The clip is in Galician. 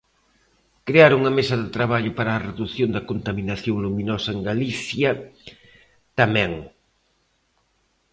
Crear unha mesa de traballo para a redución da contaminación luminosa en Galicia, tamén.